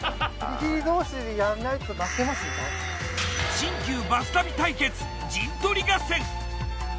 新旧バス旅対決陣取り合戦。